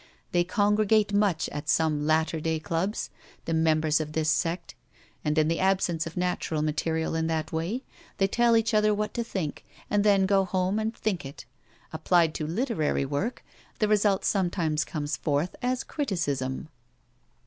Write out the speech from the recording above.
They congregate much at some latter day clubs, the members of this sect; and, in the absence of natural material in that way, they tell each other what to think, and then go home and think it. Applied to literary work, the result sometimes comes forth as 'criticism.'